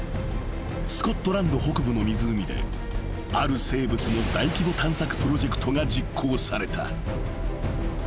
［スコットランド北部の湖である生物の大規模探索プロジェクトが実行された］